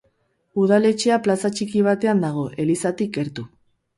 Udaletxea plaza txiki batean dago, elizatik gertu.